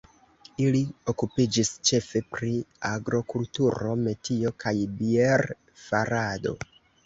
Ili okupiĝis ĉefe pri agrokulturo, metio kaj bier-farado.